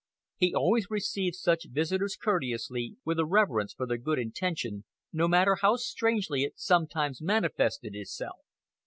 He always received such visitors courteously, with a reverence for their good intention, no matter how strangely it sometimes manifested itself.